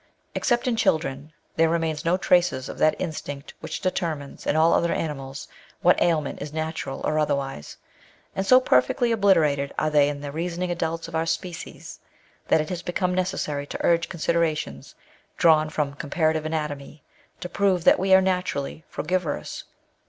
Except in children there remains no traces of that instinct which determines, in all other animals, what aliment is natural or otherwise ; and so perfectly obliterated are they in the reasoning adults of our species, that it has become necessary to urge considerations, drawn from comparative anatomy, to prove that we are naturally frugivorous.